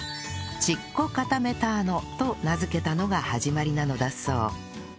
チッコカタメターノと名付けたのが始まりなのだそう